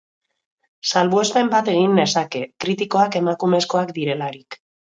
Salbuespen bat egin nezake, kritikoak emakumezkoak direlarik.